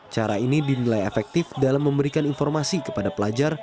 cara ini dinilai efektif dalam memberikan informasi kepada pelajar